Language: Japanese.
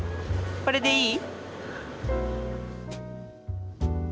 これでいい？